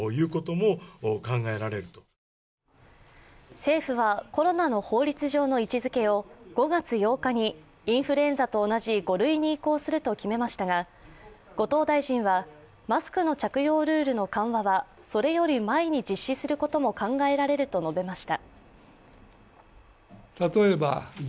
政府はコロナの法律上の位置づけを５月８日にインフルエンザと同じ５類に移行すると決めましたが後藤大臣は、マスクの着用ルールの緩和はそれより前に実施することも考えられると述べました。